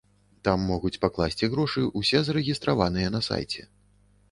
Там могуць пакласці грошы ўсе зарэгістраваныя на сайце.